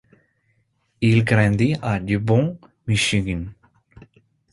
Il grandit à Dearborn, Michigan.